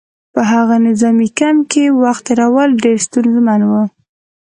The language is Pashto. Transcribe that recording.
په هغه نظامي کمپ کې وخت تېرول ډېر ستونزمن وو